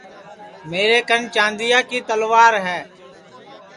میرے کن چاندیا کی تلوار ہے